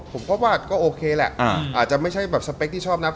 ผมก็ว่าก็โอเคแหละอาจจะไม่ใช่แบบสเปคที่ชอบนะ